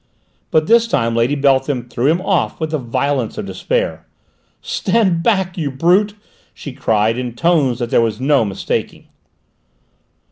But this time Lady Beltham threw him off with the violence of despair. "Stand back! You brute!" she cried, in tones that there was no mistaking.